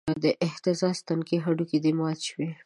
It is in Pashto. د اهتزاز تنکي هډونه دې مات شوی